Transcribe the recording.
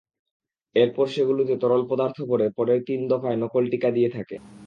এরপর সেগুলোতে তরল পদার্থ ভরে পরের তিন দফায় নকল টিকা দিয়ে থাকে।